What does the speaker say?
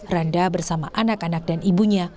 randa bersama anak anak dan ibunya